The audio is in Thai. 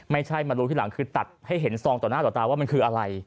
ไม่ใช่มารู้ทีหลังคือตัดให้เห็นซองต่อหน้าต่อตาว่ามันคืออะไร